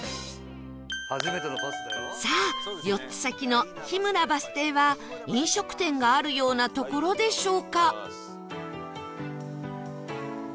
さあ４つ先の桧村バス停は飲食店があるような所でしょうか？